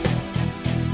saya yang menang